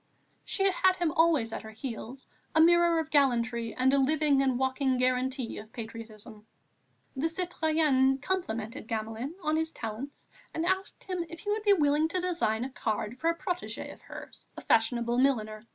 She had him always at her heels, a mirror of gallantry and a living and walking guarantee of patriotism. The citoyenne complimented Gamelin on his talents and asked him if he would be willing to design a card for a protégée of hers, a fashionable milliner.